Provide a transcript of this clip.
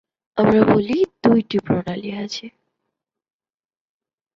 আমরা বলি, দুইটি প্রণালী আছে।